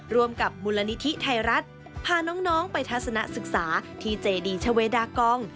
ร่วมกับมูลนิธิไทยรัฐพาน้องไปทัศนะศึกษาที่เจดีชาเวดากอง